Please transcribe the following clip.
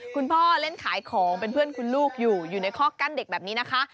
คุณพ่อเล่นขายของเป็นเพื่อนคุณลูกอยู่อยู่ในข้อกั้นเด็กแบบนี้นะคะ